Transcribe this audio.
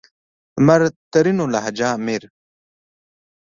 لمر؛ ترينو لهجه مير